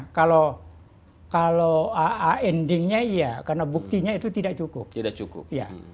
iya anunya kalau endingnya iya karena buktinya itu tidak cukup